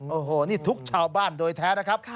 โอ้โหนี่ทุกชาวบ้านโดยแท้นะครับ